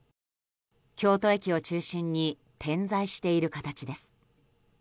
京都駅を中心に点在している形です。